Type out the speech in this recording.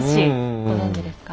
ご存じですか？